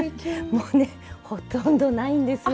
もうねほとんどないんですよ。